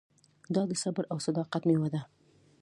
دا د صبر او صداقت مېوه ده.